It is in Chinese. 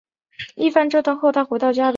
一番折腾后她回到家里